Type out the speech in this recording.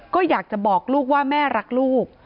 ก็อยากจะบอกลูกว่าแม่รักลูก